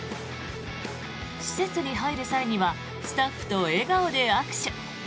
施設に入る際にはスタッフと笑顔で握手。